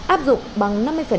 áp dụng bằng năm mươi mức giá